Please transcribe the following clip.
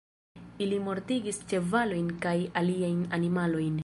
Ili mortigis ĉevalojn kaj aliajn animalojn.